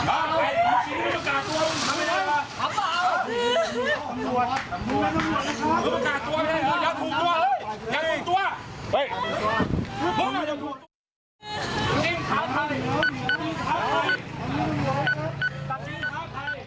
โอ้โฮตำรวจ